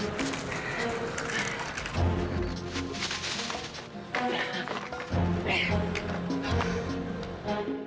aku bisa berdiri di sini